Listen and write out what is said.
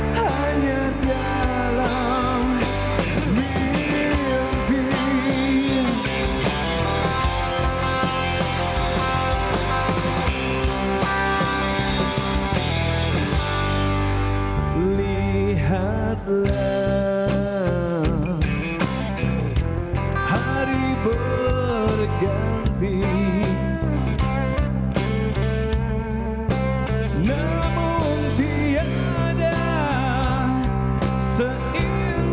kata mereka diriku selalu dimanjakan